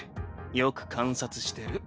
よく観察してる。